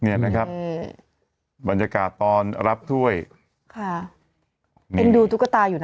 เนี่ยนะครับบรรยากาศตอนรับถ้วยค่ะเอ็นดูตุ๊กตาอยู่นะ